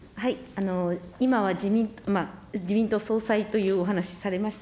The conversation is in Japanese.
今は自民党総裁というお話されました。